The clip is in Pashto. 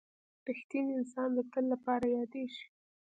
• رښتینی انسان د تل لپاره یادېږي.